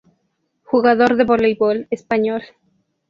Jugador de Voleibol español.